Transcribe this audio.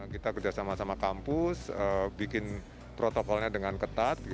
kita kerjasama sama kampus bikin protokolnya dengan ketat